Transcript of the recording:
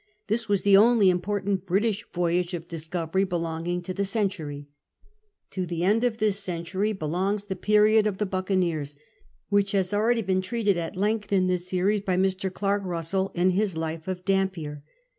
This was the only important British voyage of discovery belonging to the century. To the end of this century belongs the period of the Buccaneers, which has been already treated at length in thi.s series by Mr. Clark Russell in his Life of Dumpier.